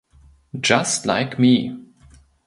Just Like Me!